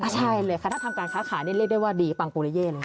ใช่เลยค่ะถ้าทำการค้าขายนี่เรียกได้ว่าดีปังปุริเย่นะ